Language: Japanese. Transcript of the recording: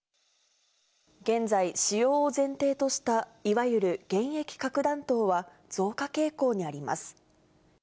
現在、使用を前提としたいわゆる現役核弾頭は増加傾向にあります。